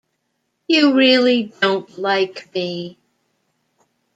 You really don't like me'.